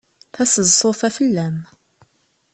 Taseḍsut-a fell-am.